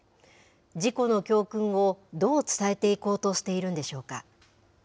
事故の教訓をどう伝えていこうとしているんでしょうか。